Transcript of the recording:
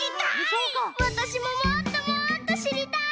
わたしももっともっとしりたい！